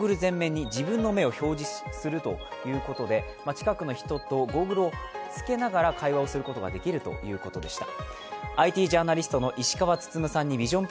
近くの人とゴーグルを着けながら会話をすることができるということでした。